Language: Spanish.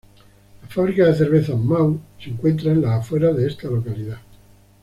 La fábrica de cervezas Mahou se encuentra en las afueras de esta localidad.